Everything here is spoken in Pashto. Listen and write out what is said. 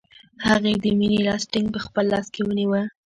هغې د مینې لاس ټینګ په خپل لاس کې ونیوه